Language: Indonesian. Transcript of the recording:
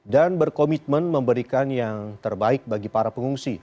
dan berkomitmen memberikan yang terbaik bagi para pengungsi